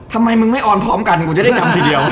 ทำไมมึงไม่ออนพร้อมกันกูจะได้ทำทีเดียว